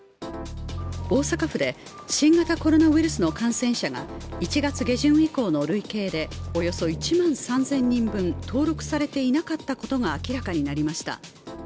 大阪府で新型コロナウイルスの感染者が１月下旬以降の累計でおよそ１万３０００人分、登録されていなかったことが明らかになりました。